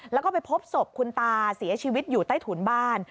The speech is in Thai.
แล้วก็ไปพบศพคุณตาเสียชีวิตอยู่ใต้ถุนบ้าน